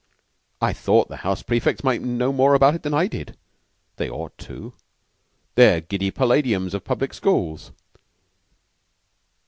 I thought the house prefects might know more about it than I did. They ought to. They're giddy palladiums of public schools."